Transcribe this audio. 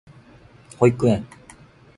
保育園